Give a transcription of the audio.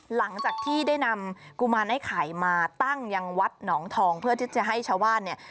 หลังจากที่ได้นำกุมารไอ้ไข่มาตั้งยังวัดหนองทองเพื่อที่จะให้ชาวบ้านเนี่ย